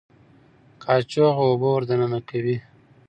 قاچوغه اوبه ور دننه کوي.